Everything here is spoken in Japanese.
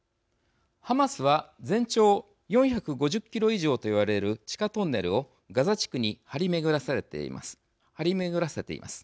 ハマスは全長４５０キロ以上と言われる地下トンネルをガザ地区に張り巡らせています。